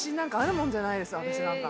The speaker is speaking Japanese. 私なんか。